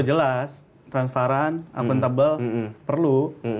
jelas transparan akuntabel perlu